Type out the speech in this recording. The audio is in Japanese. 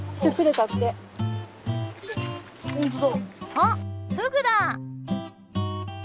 あフグだ！